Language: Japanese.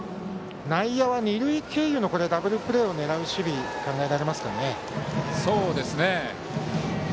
内野は二塁経由のダブルプレーを狙う守備がそうですね。